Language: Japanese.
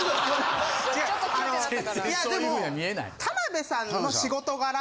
違うあのいやでも田辺さんの仕事柄